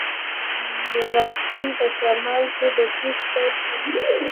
میرقاسم په شمال کې دسیسې پیل کړي.